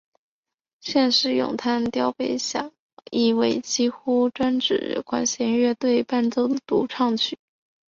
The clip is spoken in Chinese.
现时咏叹调被狭义为几乎专指管弦乐队伴奏的独唱曲。